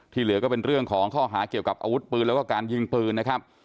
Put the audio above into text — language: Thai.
เหลือก็เป็นเรื่องของข้อหาเกี่ยวกับอาวุธปืนแล้วก็การยิงปืนนะครับ